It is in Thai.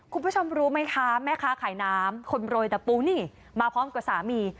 คุณผู้ชมรู้ไหมคะแม่ค้าขายน้ำคนโรยตะปูนี่มาพร้อมกับสามี